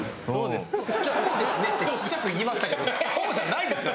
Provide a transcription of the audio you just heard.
「そうですね」ってちっちゃく言いましたけどそうじゃないでしょ！